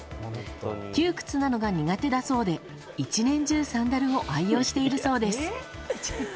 窮屈なのが苦手だそうで１年中サンダルを愛用しているそうです。